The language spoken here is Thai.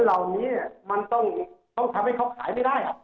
คนเหล่านี้เนี่ยมันต้องทำให้เขาขายไม่ได้อะ